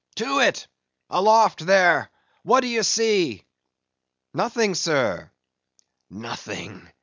To it! Aloft there! What d'ye see?" "Nothing, sir." "Nothing!